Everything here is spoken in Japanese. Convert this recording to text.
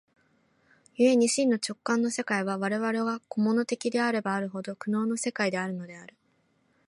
故に真の直観の世界は、我々が個物的であればあるほど、苦悩の世界であるのである。